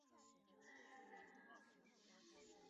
不过后来威灵顿公爵的雕像被移至奥尔德肖特。